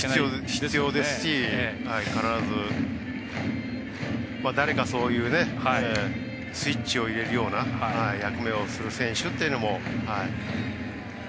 必要ですし、必ず誰かがスイッチを入れるような役目をする選手っていうのも。